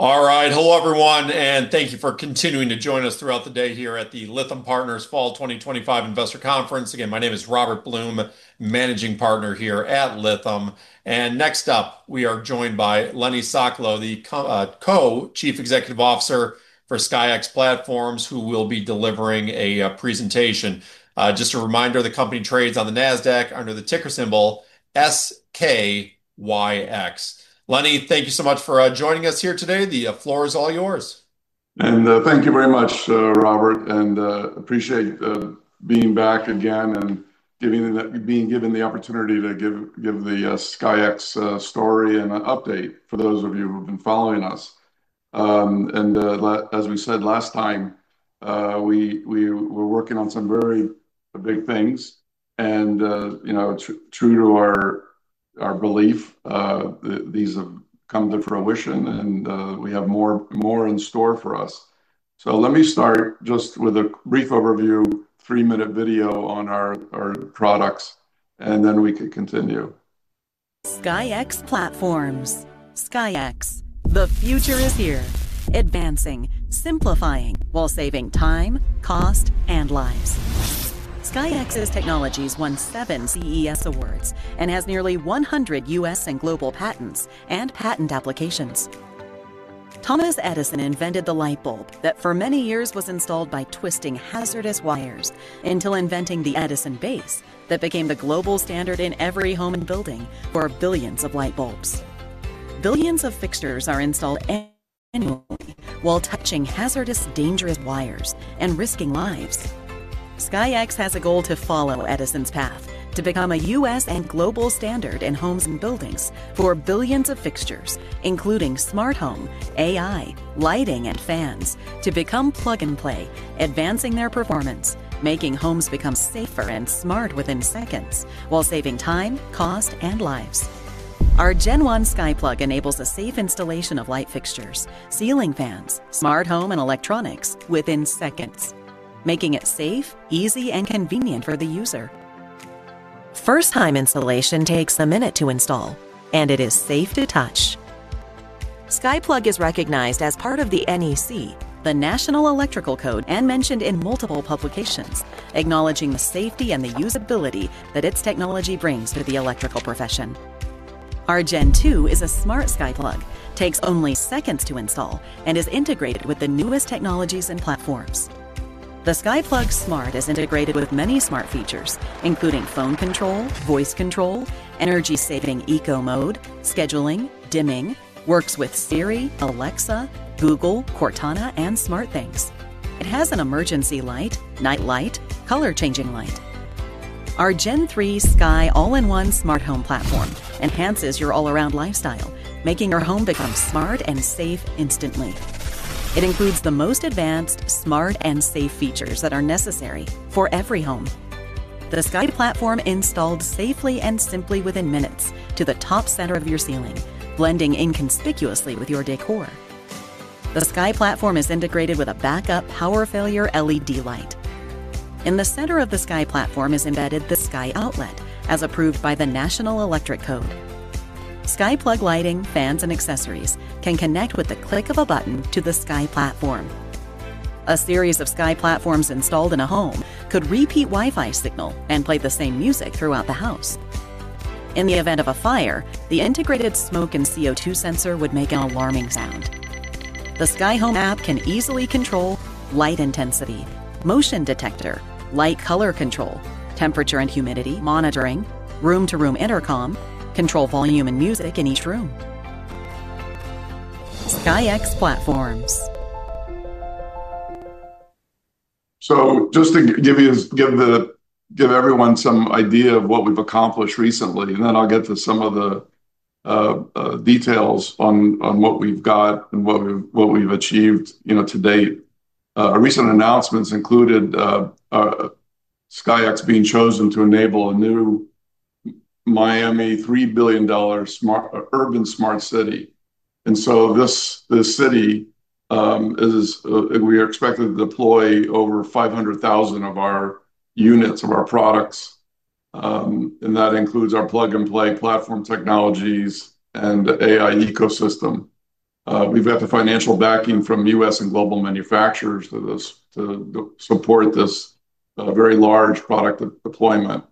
All right. Hello everyone, and thank you for continuing to join us throughout the day here at the Lytham Partners Fall 2025 Investor Conference. Again, my name is Robert Bloom, Managing Partner here at Lithium. Next up, we are joined by Lenny Sokolow, the Co-Chief Executive Officer for SKYX Platforms, who will be delivering a presentation. Just a reminder, the company trades on the NASDAQ under the ticker symbol SKYX. Lenny, thank you so much for joining us here today. The floor is all yours. Thank you very much, Robert. I appreciate being back again and being given the opportunity to give the SKYX story and an update for those of you who have been following us. As we said last time, we were working on some very big things. True to our belief, these have come to fruition and we have more in store for us. Let me start just with a brief overview, a three-minute video on our products, and then we can continue. SKYX Platforms. SKYX, the future is here, advancing, simplifying while saving time, cost, and lives. SKYX's technologies won seven CES awards and has nearly 100 U.S. and global patents and patent applications. Thomas Edison invented the light bulb that for many years was installed by twisting hazardous wires until inventing the Edison base that became the global standard in every home and building for billions of light bulbs. Billions of fixtures are installed annually while touching hazardous, dangerous wires and risking lives. SKYX has a goal to follow Edison's path to become a U.S. and global standard in homes and buildings for billions of fixtures, including smart home, AI, lighting, and fans to become plug and play, advancing their performance, making homes become safer and smart within seconds while saving time, cost, and lives. Our Gen-1 SkyPlug enables a safe installation of light fixtures, ceiling fans, smart home, and electronics within seconds, making it safe, easy, and convenient for the user. First-time installation takes a minute to install, and it is safe to touch. SkyPlug is recognized as part of the National Electrical Code and mentioned in multiple publications, acknowledging the safety and the usability that its technology brings to the electrical profession. Our Gen-2 is a smart SkyPlug, takes only seconds to install, and is integrated with the newest technologies and platforms. The SkyPlug Smart is integrated with many smart features, including phone control, voice control, energy-saving eco mode, scheduling, dimming, works with Siri, Alexa, Google, Cortana, and SmartThings. It has an emergency light, night light, and color-changing light. Our Gen-3 Sky all-in-one smart home platform enhances your all-around lifestyle, making your home become smart and safe instantly. It includes the most advanced, smart, and safe features that are necessary for every home. The SkyPlatform installs safely and simply within minutes to the top center of your ceiling, blending inconspicuously with your decor. The SkyPlatform is integrated with a backup power failure LED light. In the center of the SkyPlatform is embedded the Sky Outlet, as approved by the National Electrical Code. SkyPlug lighting, fans, and accessories can connect with the click of a button to the SkyPlatform. A series of SkyPlatforms installed in a home could repeat Wi-Fi signal and play the same music throughout the house. In the event of a fire, the integrated smoke and CO2 sensor would make an alarming sound. The SkyHome app can easily control light intensity, motion detector, light color control, temperature and humidity monitoring, room-to-room intercom, and control volume and music in each room. SKYX Platforms. To give everyone some idea of what we've accomplished recently, I'll get to some of the details on what we've got and what we've achieved to date. Our recent announcements included SKYX being chosen to enable a new Miami $3 billion smart urban smart city. This city is expected to deploy over 500,000 of our units of our products, including our plug-and-play platform technologies and AI ecosystem. We've got the financial backing from U.S. and global manufacturers to support this very large product deployment.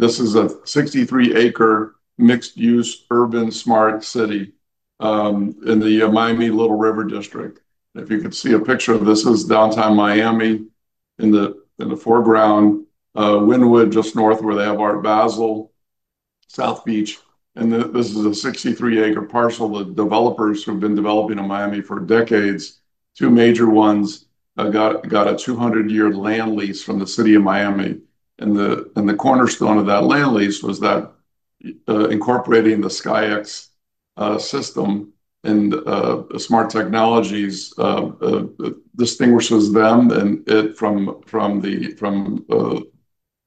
This is a 63-acre mixed-use urban smart city in the Miami Little River District. If you could see a picture of this, this is downtown Miami in the foreground, Wynwood just north where they have Art Basel, South Beach. This is a 63-acre parcel that developers have been developing in Miami for decades. Two major ones got a 200-year land lease from the City of Miami. T`he cornerstone of that land lease was that incorporating the SKYX system and smart technologies distinguishes them from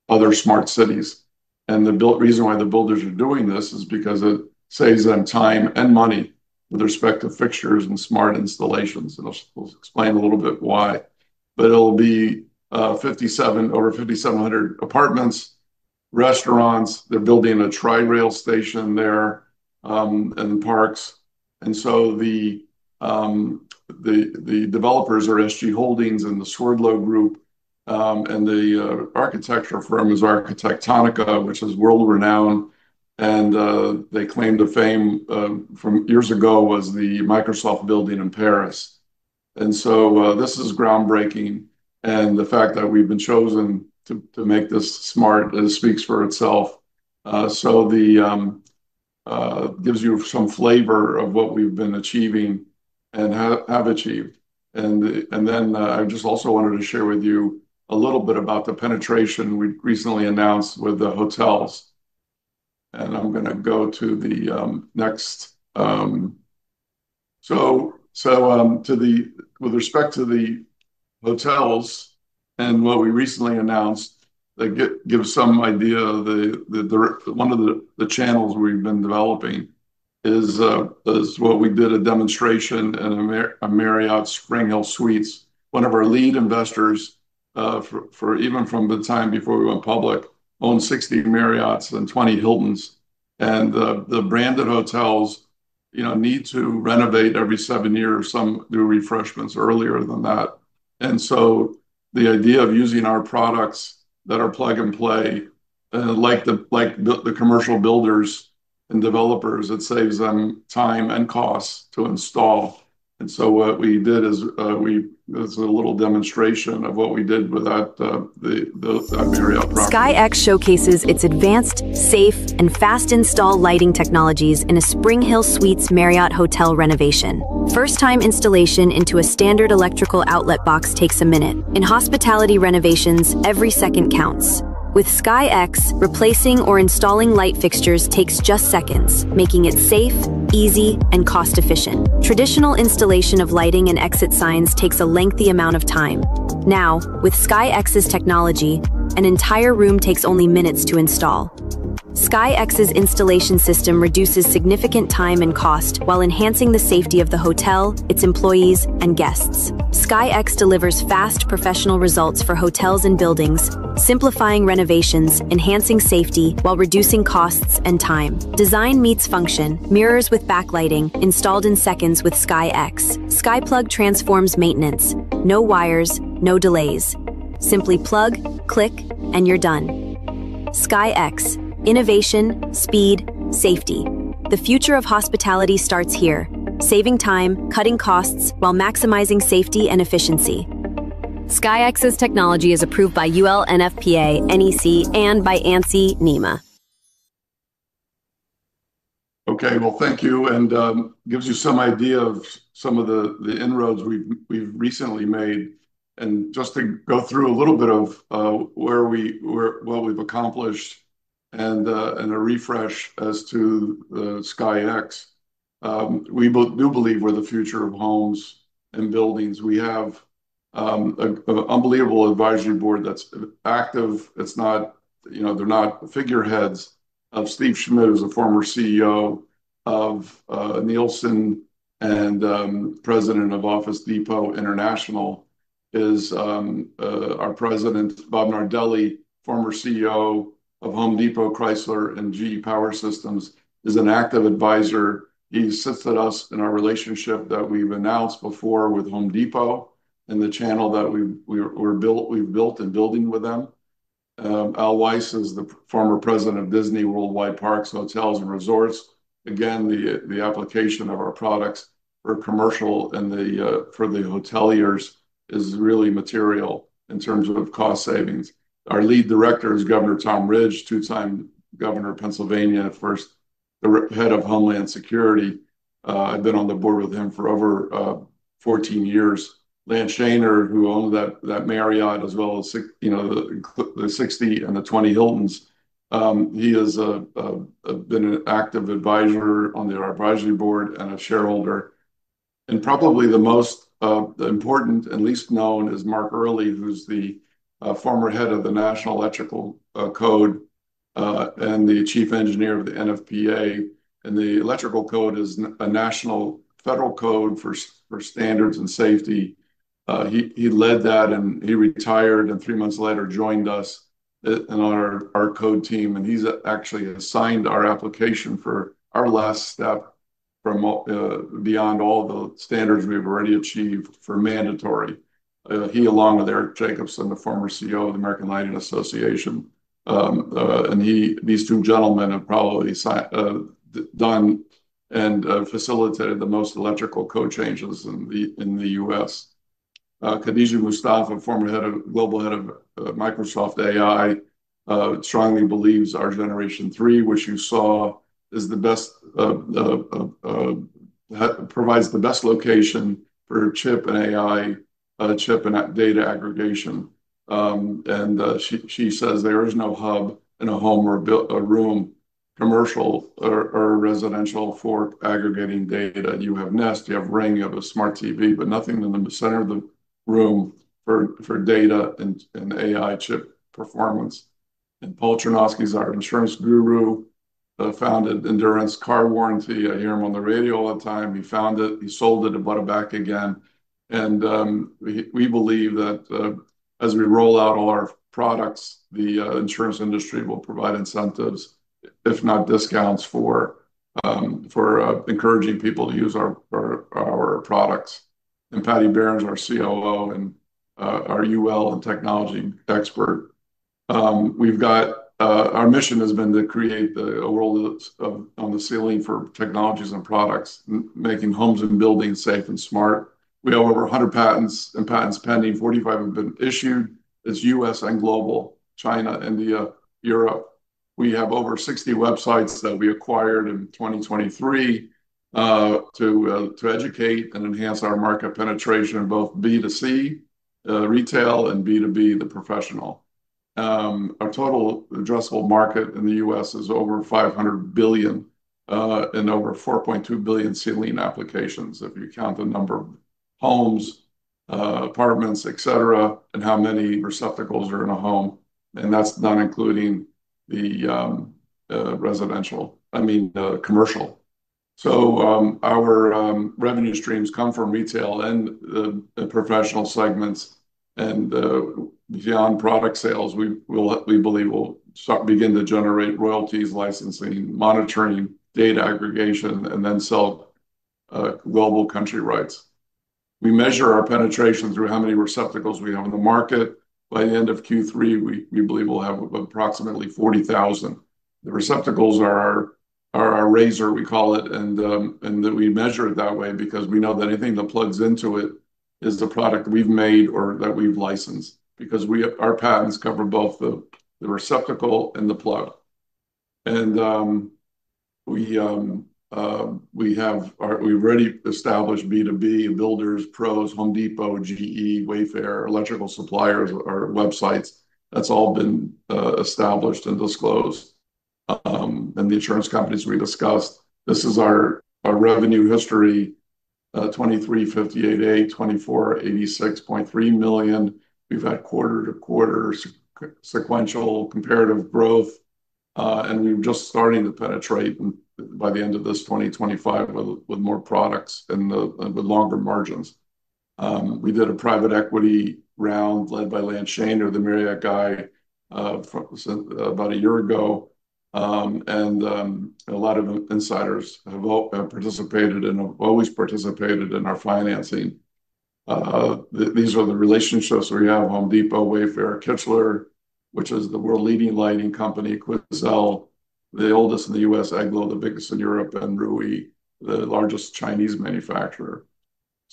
other smart cities. The reason why the builders are doing this is because it saves them time and money with respect to fixtures and smart installations. I'll explain a little bit why. It will be over 5,700 apartments, restaurants, they're building a tram rail station there, and parks. The developers are SG Holdings and the Swerdlow Group. The architecture firm is Arquitectonica, which is world-renowned. Their claim to fame from years ago was the Microsoft building in Paris. This is groundbreaking, and the fact that we've been chosen to make this smart speaks for itself. It gives you some flavor of what we've been achieving and have achieved. I also wanted to share with you a little bit about the penetration we recently announced with the hotels. With respect to the hotels and what we recently announced, that gives some idea of one of the channels we've been developing, which is what we did in a demonstration in Marriott SpringHill Suites. One of our lead investors, even from the time before we went public, owned 60 Marriotts and 20 Hiltons. The branded hotels need to renovate every seven years or some new refreshments earlier than that. The idea of using our products that are plug and play, like the commercial builders and developers, is it saves them time and cost to install. What we did is a little demonstration of what we did with that Marriott product. SKYX showcases its advanced, safe, and fast-install lighting technologies in a SpringHill Suites Marriott hotel renovation. First-time installation into a standard electrical outlet box takes a minute. In hospitality renovations, every second counts. With SKYX, replacing or installing light fixtures takes just seconds, making it safe, easy, and cost-efficient. Traditional installation of lighting and exit signs takes a lengthy amount of time. Now, with SKYX's technology, an entire room takes only minutes to install. SKYX's installation system reduces significant time and cost while enhancing the safety of the hotel, its employees, and guests. SKYX delivers fast, professional results for hotels and buildings, simplifying renovations and enhancing safety while reducing costs and time. Design meets function, mirrors with backlighting installed in seconds with SKYX. SkyPlug transforms maintenance. No wires, no delays. Simply plug, click, and you're done. SKYX, innovation, speed, safety. The future of hospitality starts here, saving time, cutting costs while maximizing safety and efficiency. SKYX's technology is approved by UL, NFPA, NEC, and by ANSI, NEMA. Thank you. It gives you some idea of some of the inroads we've recently made. Just to go through a little bit of where we've accomplished and a refresh as to the SKYX. We both do believe we're the future of homes and buildings. We have an unbelievable advisory board that's active. It's not, you know, they're not figureheads. Steve Schmidt, who's a former CEO of Nielsen and President of Office Depot International, is our President. Bob Nardelli, former CEO of Home Depot, Chrysler, and GE Power Systems, is an active advisor. He sits with us in our relationship that we've announced before with Home Depot and the channel that we've built and built in building with them. Al Weiss is the former President of Disney Worldwide Parks, Hotels, and Resorts. The application of our products for commercial and for the hoteliers is really material in terms of cost savings. Our Lead Director is Governor Tom Ridge, two-time Governor of Pennsylvania and first head of Homeland Security. I've been on the board with him for over 14 years. Lance Shaner, who owned that Marriott as well as the 60 and the 20 Hiltons, has been an active advisor on our advisory board and a shareholder. Probably the most important and least known is Mark Early, who's the former head of the National Electrical Code and the Chief Engineer of the NFPA. The Electrical Code is a national federal code for standards and safety. He led that and he retired and three months later joined us on our code team. He's actually assigned our application for our last step beyond all the standards we've already achieved for mandatory. He, along with Eric Jacobson, the former CEO of the American Lighting Association, and these two gentlemen have probably done and facilitated the most electrical code changes in the U.S. Khadija Mustafa, former global head of Microsoft AI, strongly believes our Generation 3, which you saw, provides the best location for chip and AI chip and data aggregation. She says there is no hub in a home or a room, commercial or residential, for aggregating data. You have Nest, you have Ring, you have a smart TV, but nothing in the center of the room for data and AI chip performance. Paul Chernoski is our insurance guru, founded Endurance Car Warranty. I hear him on the radio all the time. He found it, he sold it, he bought it back again. We believe that as we roll out all our products, the insurance industry will provide incentives, if not discounts, for encouraging people to use our products. Patty Behrens, our COO and our UL and technology expert. Our mission has been to create a world on the ceiling for technologies and products, making homes and buildings safe and smart. We have over 100 patents and patents pending. 45 have been issued. It's U.S. and global, China, India, Europe. We have over 60 websites that we acquired in 2023 to educate and enhance our market penetration in both B2C, retail, and B2B, the professional. Our total addressable market in the U.S. is over $500 billion and over 4.2 billion ceiling applications. If you count the number of homes, apartments, etc., and how many receptacles are in a home, and that's not including the commercial. Our revenue streams come from retail and the professional segments. Beyond product sales, we believe we'll begin to generate royalties, licensing, monitoring, data aggregation, and then sell global country rights. We measure our penetration through how many receptacles we have in the market. By the end of Q3, we believe we'll have approximately 40,000. The receptacles are our razor, we call it, and we measure it that way because we know that anything that plugs into it is the product we've made or that we've licensed because our patents cover both the receptacle and the plug. We have already established B2B, builders, pros, Home Depot, GE, Wayfair, electrical suppliers, our websites. That's all been established and disclosed. The insurance companies we discussed, this is our revenue history, $2,358A, $2,486.3 million. We've had quarter-to-quarter sequential comparative growth, and we're just starting to penetrate by the end of 2025 with more products and with longer margins. We did a private equity round led by Lance Shaner, the Marriott guy, about a year ago. A lot of insiders have participated and have always participated in our financing. These are the relationships we have: Home Depot, Wayfair, Kichler, which is the world-leading lighting company, Quoizel, the oldest in the U.S., EGLO, the biggest in Europe, and Rui, the largest Chinese manufacturer.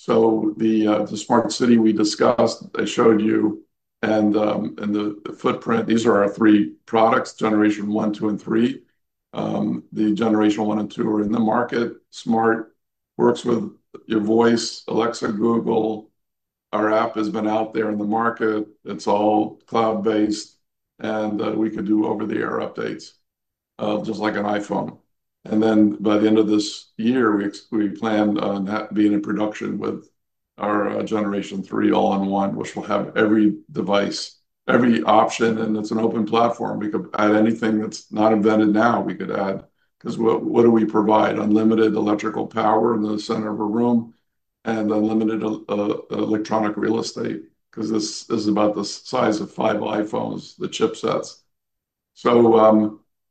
The smart city we discussed, I showed you, and the footprint, these are our three products, Generation 1, 2, and 3. The Generation 1 and 2 are in the market. Smart works with your voice, Alexa, Google. Our app has been out there in the market. It's all cloud-based, and we could do over-the-air updates just like an iPhone. By the end of this year, we plan on being in production with our Generation 3 all-in-one, which will have every device, every option, and it's an open platform. We could add anything that's not invented now. We could add, because what do we provide? Unlimited electrical power in the center of a room and unlimited electronic real estate, because this is about the size of five iPhones, the chipsets.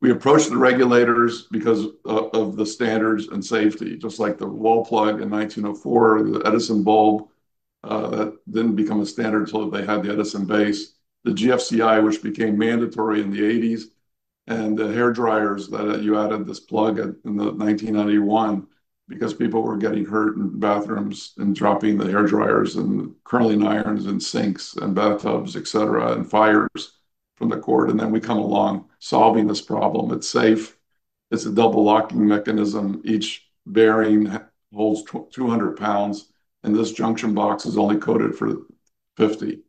We approached the regulators because of the standards and safety, just like the wall plug in 1904, the Edison bulb, that didn't become a standard until they had the Edison base, the GFCI, which became mandatory in the 1980s, and the hair dryers that you added this plug in 1991 because people were getting hurt in bathrooms and dropping the hair dryers and curling irons in sinks and bathtubs, etc., and fires from the cord. We come along solving this problem. It's safe. It's a double locking mechanism. Each bearing holds 200 pounds, and this junction box is only coded for 50,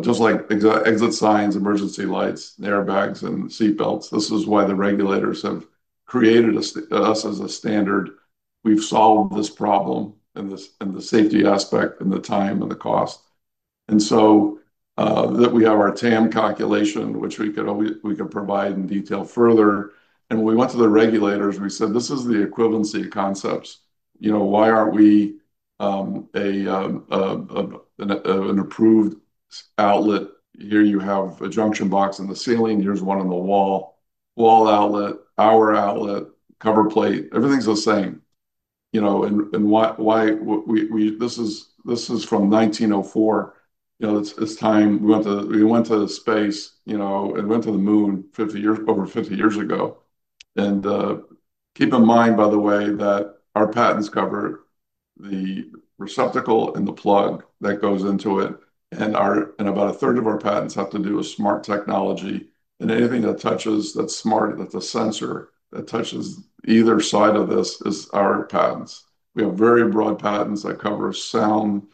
just like exit signs, emergency lights, airbags, and seat belts. This is why the regulators have created us as a standard. We've solved this problem in the safety aspect and the time and the cost. We have our TAM calculation, which we could provide in detail further. When we went to the regulators, we said, this is the equivalency of concepts. You know, why aren't we an approved outlet? Here you have a junction box in the ceiling. Here's one in the wall. Wall outlet, power outlet, cover plate, everything's the same. You know, and why? This is from 1904. You know, it's time. We went to the space, you know, and went to the moon over 50 years ago. Keep in mind, by the way, that our patents cover the receptacle and the plug that goes into it. About a third of our patents have to do with smart technology. Anything that touches that's smart, that's a sensor that touches either side of this is our patents. We have very broad patents that cover sound,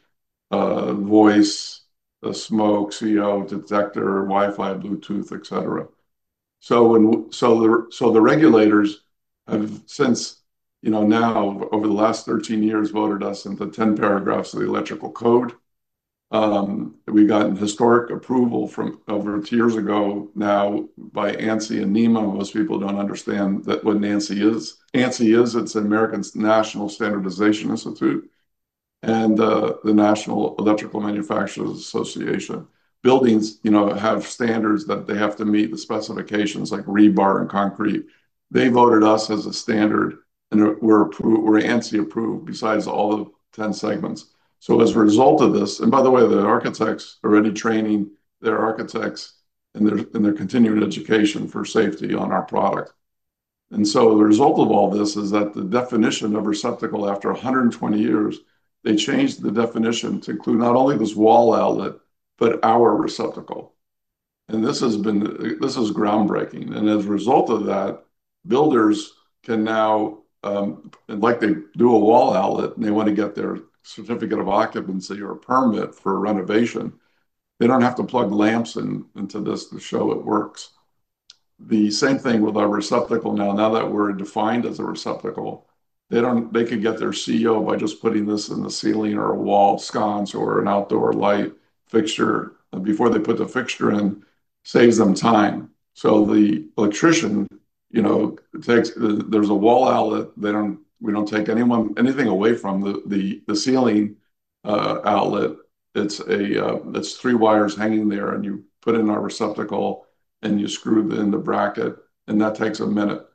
voice, smoke, CO detector, Wi-Fi, Bluetooth, etc. The regulators have, since now over the last 13 years, voted us into 10 paragraphs of the electrical code. We've gotten historic approval from over two years ago now by ANSI and NEMA. Most people don't understand what ANSI is. ANSI is, it's the American National Standardization Institute and the National Electrical Manufacturers Association. Buildings, you know, have standards that they have to meet, the specifications like rebar and concrete. They voted us as a standard, and we're ANSI approved besides all the 10 segments. As a result of this, by the way, the architects are already training their architects in their continuing education for safety on our product. The result of all this is that the definition of receptacle after 120 years, they changed the definition to include not only this wall outlet, but our receptacle. This has been, this is groundbreaking. As a result of that, builders can now, like they do a wall outlet and they want to get their certificate of occupancy or a permit for renovation, they don't have to plug lamps into this to show it works. The same thing with our receptacle now. Now that we're defined as a receptacle, they could get their CO by just putting this in the ceiling or a wall sconce or an outdoor light fixture before they put the fixture in, saves them time. The electrician, you know, there's a wall outlet. We don't take anything away from the ceiling outlet. It's three wires hanging there, and you put it in our receptacle, and you screw it in the bracket, and that takes a minute.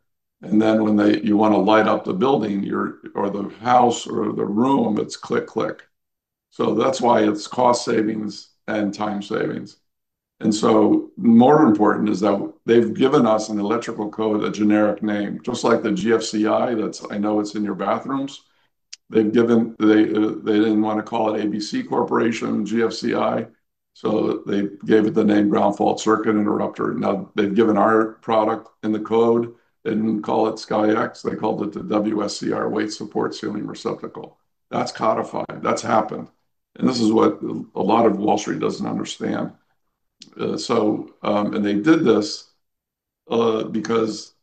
When you want to light up the building or the house or the room, it's click, click. That's why it's cost savings and time savings. More important is that they've given us an electrical code, a generic name, just like the GFCI that I know it's in your bathrooms. They didn't want to call it ABC Corporation, GFCI, so they gave it the name ground fault circuit interrupter. Now they'd given our product in the code. They didn't call it SKYX. They called it the WSCR weight support ceiling receptacle. That's codified. That's happened. This is what a lot of Wall Street doesn't understand. They did this because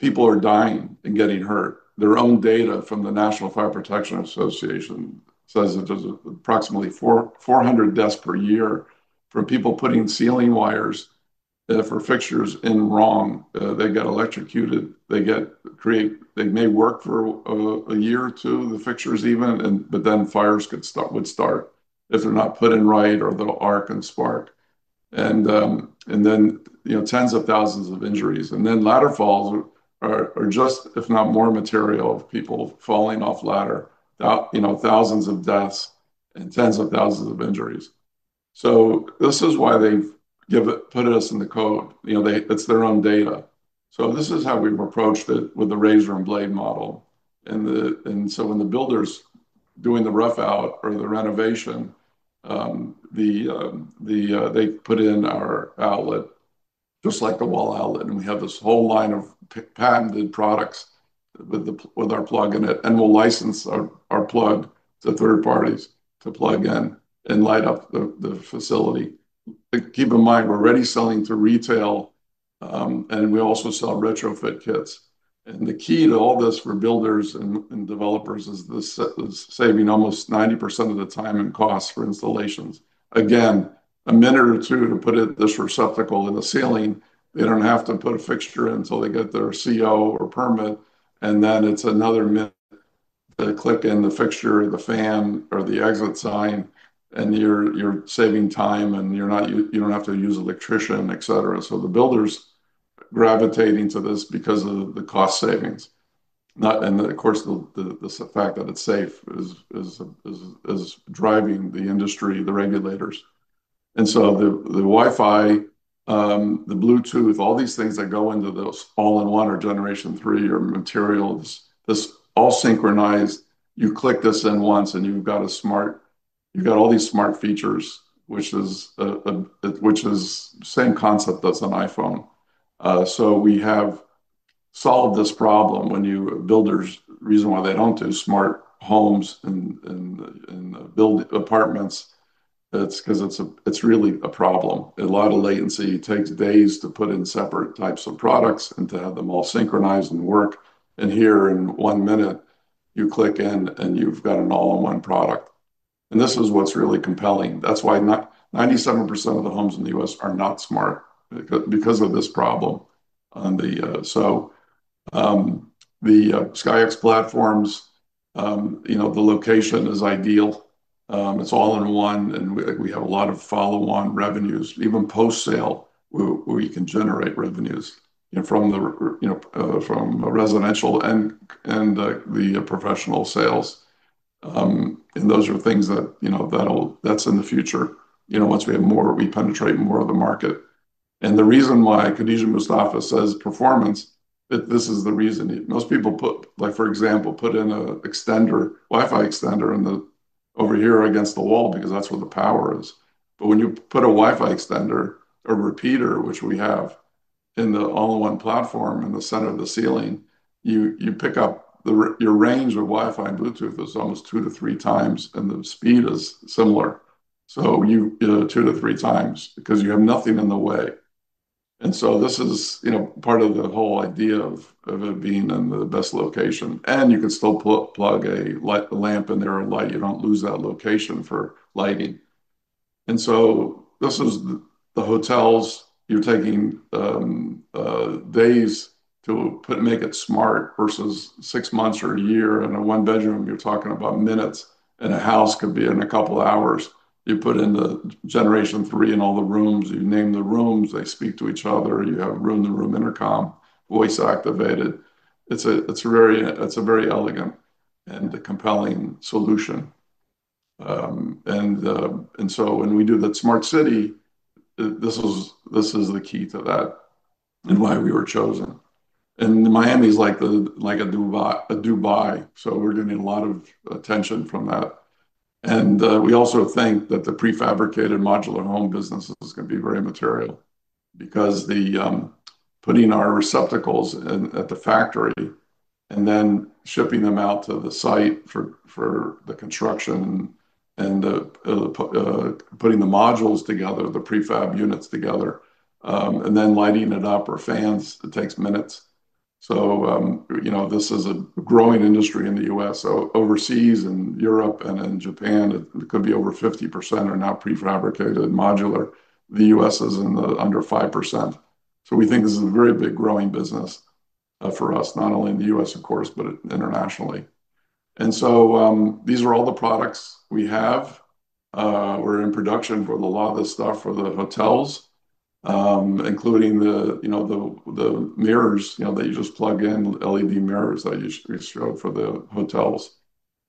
people are dying and getting hurt. Their own data from the National Fire Protection Association says that there's approximately 400 deaths per year from people putting ceiling wires for fixtures in wrong. They get electrocuted. They may work for a year or two, the fixtures even, but then fires would start if they're not put in right or a little arc and spark. Then, you know, tens of thousands of injuries. Ladder falls are just, if not more material, of people falling off ladder. You know, thousands of deaths and tens of thousands of injuries. This is why they've put us in the code. It's their own data. This is how we've approached it with the razor-and-blade model. When the builders are doing the rough out or the renovation, they put in our outlet just like the wall outlet. We have this whole line of patented products with our plug in it, and we'll license our plug to third parties to plug in and light up the facility. Keep in mind, we're already selling to retail, and we also sell retrofit kits. The key to all this for builders and developers is saving almost 90% of the time and costs for installations. Again, a minute or two to put this receptacle in a ceiling, they don't have to put a fixture in until they get their CO or permit. It's another minute to click in the fixture, the fan, or the exit sign, and you're saving time, and you don't have to use an electrician, etc. The builders are gravitating to this because of the cost savings. Of course, the fact that it's safe is driving the industry, the regulators. The Wi-Fi, the Bluetooth, all these things that go into this all-in-one or Generation 3 or materials, this all synchronized. You click this in once, and you've got a smart, you've got all these smart features, which is the same concept as an iPhone. We have solved this problem when you have builders, the reason why they don't do smart homes and build apartments, it's because it's really a problem. A lot of latency. It takes days to put in separate types of products and to have them all synchronized and work. Here in one minute, you click in, and you've got an all-in-one product. This is what's really compelling. That's why 97% of the homes in the U.S. are not smart because of this problem. The SKYX Platforms, you know, the location is ideal. It's all in one, and we have a lot of follow-on revenues, even post-sale, where you can generate revenues from a residential and the professional sales. Those are things that, you know, that's in the future, you know, once we have more, we penetrate more of the market. The reason why Khadija Mustafa says performance, this is the reason most people put, like, for example, put in an extender, Wi-Fi extender over here against the wall because that's where the power is. When you put a Wi-Fi extender or repeater, which we have in the all-in-one platform in the center of the ceiling, you pick up your range of Wi-Fi and Bluetooth is almost 2x-3x, and the speed is similar. You do2x-3x because you have nothing in the way. This is part of the whole idea of it being in the best location. You can still plug a lamp in there or light. You do not lose that location for lighting. This is the hotels. You are taking days to make it smart versus six months or a year. In a one-bedroom, you are talking about minutes. In a house, it could be in a couple of hours. You put in the Generation 3 in all the rooms. You name the rooms. They speak to each other. You have room-to-room intercom, voice activated. It is a very elegant and compelling solution. When we do that smart city, this is the key to that and why we were chosen. Miami is like a Dubai. We are getting a lot of attention from that. We also think that the prefabricated modular home business is going to be very material because putting our receptacles at the factory and then shipping them out to the site for the construction and putting the modules together, the prefab units together, and then lighting it up or fans, it takes minutes. This is a growing industry in the U.S. Overseas in Europe and in Japan, it could be over 50% are now prefabricated modular. The U.S. is under 5%. We think this is a great big growing business for us, not only in the U.S., of course, but internationally. These are all the products we have. We are in production with a lot of this stuff for the hotels, including the mirrors that you just plug in, LED mirrors that you showed for the hotels.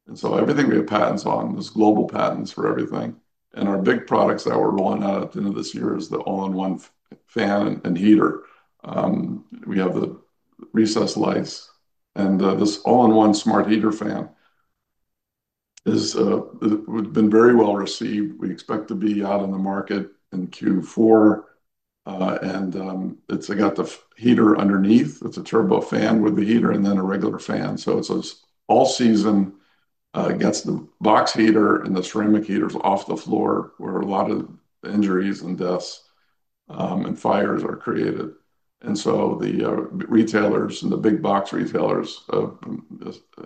Everything we have patents on is global patents for everything. Our big products that we are rolling out at the end of this year is the all-in-one fan and heater. We have the recessed lights. This all-in-one smart heater fan has been very well received. We expect to be out in the market in Q4. It has got the heater underneath. It is a turbo fan with the heater and then a regular fan. It is all season. It gets the box heater and the ceramic heaters off the floor where a lot of injuries and deaths and fires are created. The retailers and the big box retailers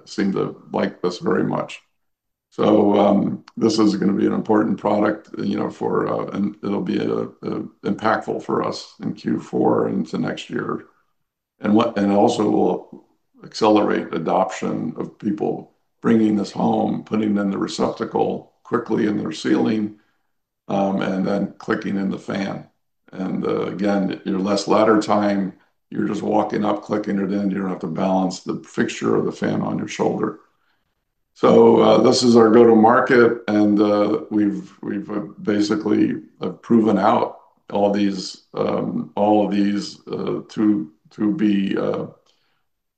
seem to like this very much. This is going to be an important product for us, and it'll be impactful for us in Q4 and into next year. It also will accelerate the adoption of people bringing this home, putting in the receptacle quickly in their ceiling, and then clicking in the fan. You're less ladder time. You're just walking up, clicking it in. You don't have to balance the fixture or the fan on your shoulder. This is our go-to market. We've basically proven out all of these to be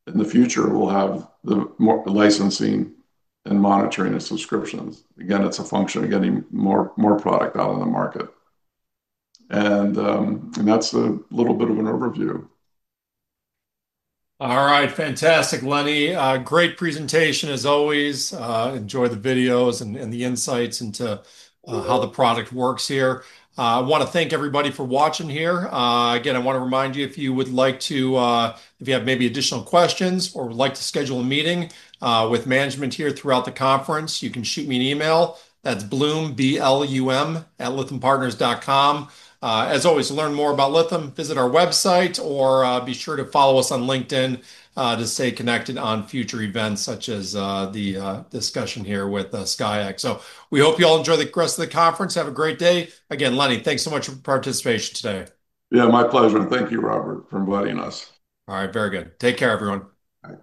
in the future. We'll have the licensing and monitoring and subscriptions. It's a function of getting more product out in the market. That's a little bit of an overview. All right, fantastic, Lenny. Great presentation as always. Enjoy the videos and the insights into how the product works here. I want to thank everybody for watching here. Again, I want to remind you, if you would like to, if you have maybe additional questions or would like to schedule a meeting with management here throughout the conference, you can shoot me an email. That's bloomblum@lithiumpartners.com. As always, to learn more about Lithium, visit our website or be sure to follow us on LinkedIn to stay connected on future events such as the discussion here with SKYX. We hope you all enjoy the rest of the conference. Have a great day. Again, Lenny, thanks so much for participation today. Yeah, my pleasure. Thank you, Robert, for inviting us. All right, very good. Take care, everyone.